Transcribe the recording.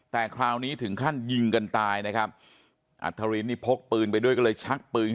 แต่คราวนี้ถึงขั้นยิงกันตายนะครับอัธรินนี่พกปืนไปด้วยก็เลยชักปืน